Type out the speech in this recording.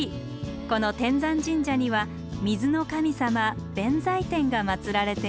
この天山神社には水の神様弁財天が祀られています。